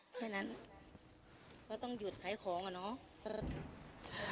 เพราะฉะนั้นก็ต้องหยุดขายของก่อนเนาะ